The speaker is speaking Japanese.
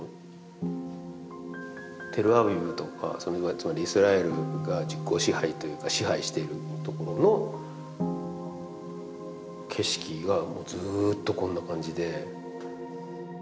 つまりイスラエルが実効支配というか支配しているところの景色がずっとこんな感じで。